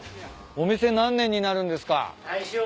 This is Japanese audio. お店何年になるんですか？